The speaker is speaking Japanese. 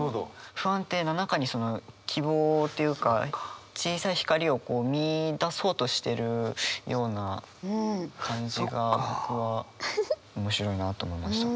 不安定な中にその希望というか小さい光を見いだそうとしてるような感じが僕は面白いなと思いました。